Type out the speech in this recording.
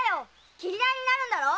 斬り合いになるんだろ？